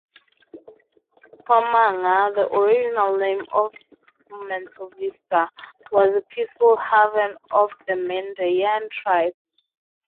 "Caumanga", the original name of Montevista, was a peaceful haven of the Mandayan Tribe.